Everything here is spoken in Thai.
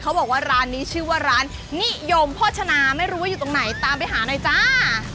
บอกว่าร้านนี้ชื่อว่าร้านนิยมโภชนาไม่รู้ว่าอยู่ตรงไหนตามไปหาหน่อยจ้า